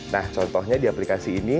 nah contohnya di aplikasi ini